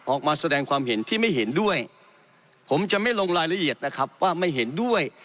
ออกมาแสดงความเห็นที่ไม่เห็นด้วยผมจะไม่ลงรายละเอียดนะครับว่าไม่เห็นด้วย